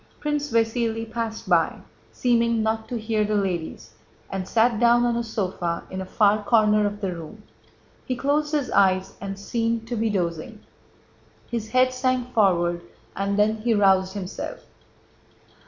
Prince Vasíli passed by, seeming not to hear the ladies, and sat down on a sofa in a far corner of the room. He closed his eyes and seemed to be dozing. His head sank forward and then he roused himself.